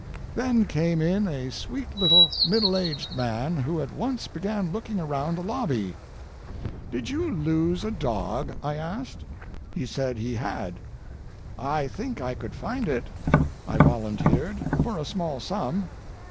Then came in a sweet little middle aged man, who at once began looking around the lobby. "Did you lose a dog?" I asked. He said he had. "I think I could find it," I volunteered, "for a small sum."